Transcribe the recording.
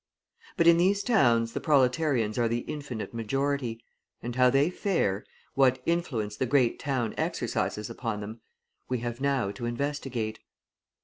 But in these towns the proletarians are the infinite majority, and how they fare, what influence the great town exercises upon them, we have now to investigate.